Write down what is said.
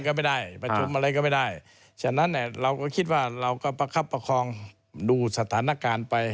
ก็ไม่ได้ประชุมอะไรก็ไม่ได้ฉะนั้นเนี่ยเราก็คิดว่าเราก็ประคับประคองดูสถานการณ์ไป